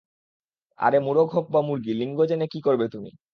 আরে মুরগ হোক বা মুরগি, লিঙ্গ জেনে কী করবে তুমি?